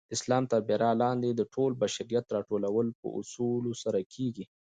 د اسلام تر بیرغ لاندي د ټول بشریت راټولول په اصولو سره کيږي.